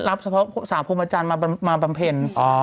รับสาปพุทธอาจารย์มาบำเพ็ญ